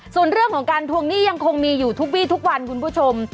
ส่วนเรื่องของการทวงหนี้ยังคงมีอยู่ทุกวีทุกวันคุณผู้ชม